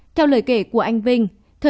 theo lời kể của anh vinh